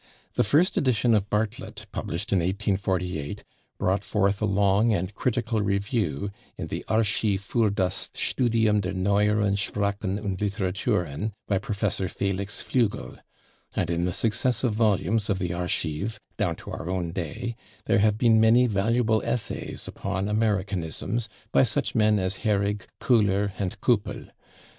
The first edition of Bartlett, published in 1848, brought forth a long and critical review in the /Archiv für das Studium der neueren Sprachen und Literaturen/ by Prof. Felix Flügel, and in the successive volumes of the /Archiv/, down to our own day, there have been many valuable essays upon Americanisms, by such men as Herrig, Koehler and Koeppel.